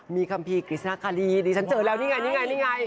มีคัมภีร์กริสนาการีดิฉันเจอแล้วนี่ไง